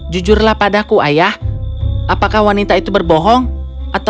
jujurlah padaku ayah apakah wanita itu berbohong atau ada hal lebih banyak lagi cerita